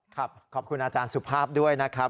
ขอบคุณอาจารย์สุภาพด้วยนะครับ